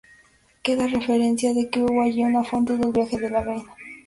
Queda referencia de que hubo allí una fuente del viaje de la Reina.